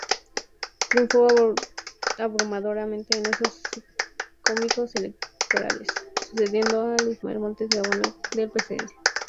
Triunfó abrumadoramente en esos comicios electorales, sucediendo a Ismael Montes Gamboa en la presidencia.